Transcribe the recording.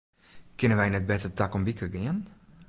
Kinne wy net better takom wike gean?